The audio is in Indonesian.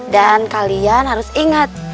dan kalian harus ingat